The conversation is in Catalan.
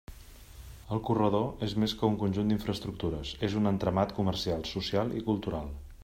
El corredor és més que un conjunt d'infraestructures: és un entramat comercial, social i cultural.